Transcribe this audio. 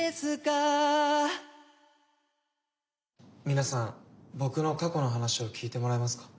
皆さん僕の過去の話を聞いてもらえますか。